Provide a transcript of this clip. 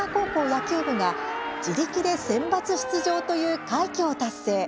野球部が自力でセンバツ出場という快挙を達成。